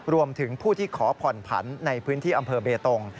รวมถึงผู้ที่ขอผ่อนผันในพื้นที่อำเภอเบตง